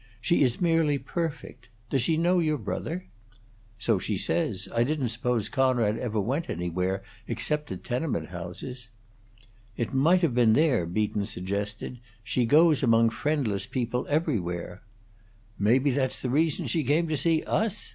"She is merely perfect. Does she know your brother?" "So she says. I didn't suppose Conrad ever went anywhere, except to tenement houses." "It might have been there," Beaton suggested. "She goes among friendless people everywhere." "Maybe that's the reason she came to see us!"